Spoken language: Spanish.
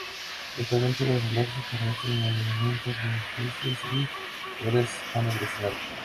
Actualmente los relojes para estos monumentos, edificios y torres han evolucionado.